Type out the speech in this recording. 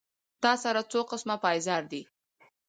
تا سره څو قسمه پېزار دي